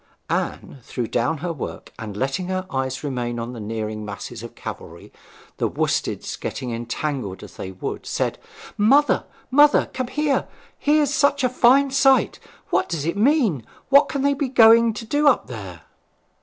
Anne threw down her work, and letting her eyes remain on the nearing masses of cavalry, the worsteds getting entangled as they would, said, 'Mother, mother; come here! Here's such a fine sight! What does it mean? What can they be going to do up there?'